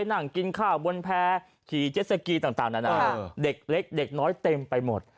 นั่งกินข้าวบนแพ้ขี่เจ็ดสกีต่างนานาเด็กเล็กเด็กน้อยเต็มไปหมด